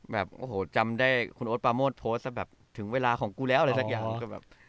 แบบโอ้โหจำได้คุณโอ๊ตปาโมทโพสต์แบบถึงเวลาของกูแล้วอะไรสักอย่างก็แบบ